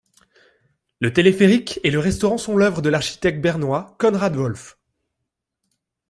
Le téléphérique et le restaurant sont l'œuvre de l'architecte bernois Konrad Wolf.